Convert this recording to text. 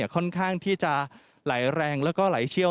ค่อนข้างที่จะไหลแรงแล้วก็ไหลเชี่ยว